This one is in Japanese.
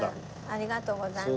ありがとうございます。